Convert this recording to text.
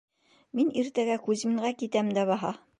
Мин иртәгә Кузьминға китәм дә баһа.